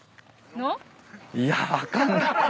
いや分かんない。